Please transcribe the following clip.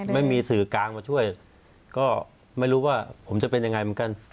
ไม่มีสื่อกลางมาช่วยก็ไม่รู้ว่าผมจะเป็นยังไงเหมือนกัน